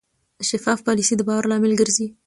شفاف پالیسي د باور لامل ګرځي.